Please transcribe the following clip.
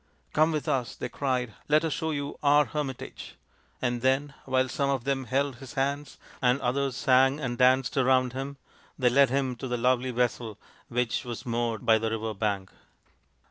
" Come with us," they cried. " Let us show you our hermit age;" and then, while some of them held his hands, and others sang and danced around him, they led him to the lovely vessel which was moored by the river bank.